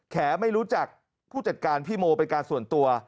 ไม่รู้จักผู้จัดการพี่โมเป็นการส่วนตัว